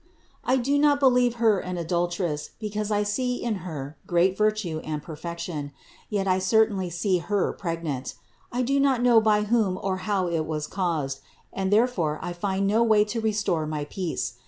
I do not believe Her an adulteress, be cause I see in Her great virtue and perfection ; yet I cer tainly see Her pregnant I do not know by whom or how it was caused ; and therefore I find no way to restore my peace.